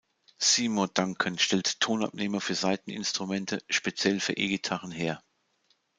Seymour Duncan stellt Tonabnehmer für Saiteninstrumente, speziell für E-Gitarren her.